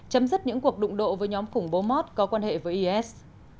chấm dứt những cuộc đụng độ với nhóm khủng bố mót có quan hệ với is